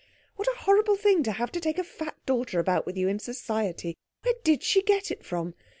What a horrible thing to have to take a fat daughter about with you in society. Where did she get it from?